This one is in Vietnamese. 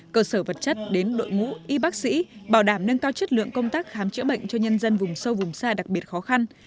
cơ sở vật chất đến đội ngũ y bác sĩ bảo đảm nâng cao chất lượng công tác khám chữa bệnh cho nhân dân vùng sâu vùng xa đặc biệt khó khăn